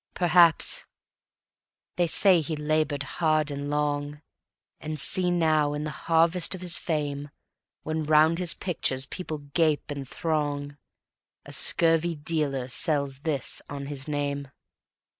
Perhaps ... they say he labored hard and long, And see now, in the harvest of his fame, When round his pictures people gape and throng, A scurvy dealer sells this on his name.